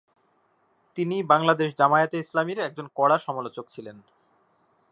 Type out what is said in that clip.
তিনি বাংলাদেশ জামায়াতে ইসলামীর একজন কড়া সমালোচক ছিলেন।